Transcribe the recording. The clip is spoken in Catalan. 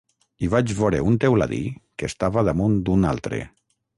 I vaig vore un teuladí que estava damunt d’un altre.